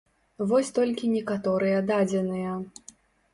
Вось толькі некаторыя дадзеныя.